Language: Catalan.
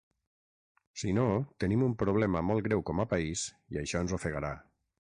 Si no tenim un problema molt greu com a país i això ens ofegarà.